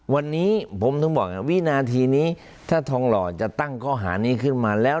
วันนี้ผมถึงบอกวินาทีนี้ถ้าทองหล่อจะตั้งข้อหานี้ขึ้นมาแล้ว